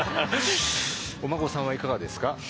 お孫さんはいかがですか？